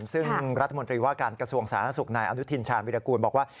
ซึ่งรัฐมนตรีว่าการกระทรวงสาธารณสุขนายอนุทินชาญวิรากูลบอกว่า